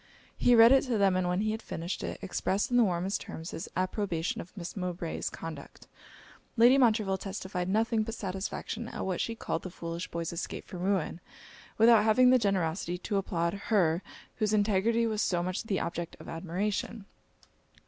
He read it to them; and when he had finished it, expressed in the warmest terms his approbation of Miss Mowbray's conduct. Lady Montreville testified nothing but satisfaction at what she called 'the foolish boy's escape from ruin,' without having the generosity to applaud her, whose integrity was so much the object of admiration.